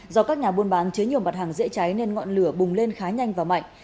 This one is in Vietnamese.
do các nhà buôn bán chế nhiều mặt hàng dễ cháy nên ngọn lửa bùng lên khá nhanh và mạnh